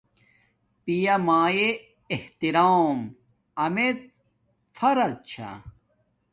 پیامایے احترام امڎ فرض چھا